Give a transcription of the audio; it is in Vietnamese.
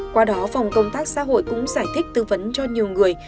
qua đó phòng công tác xã hội cũng giải thích tư vấn cho nhiều người